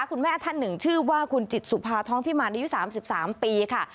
คุณแม่ท่านหนึ่งชื่อว่าคุณจิตสุภาท้องพิมารอายุ๓๓ปีค่ะ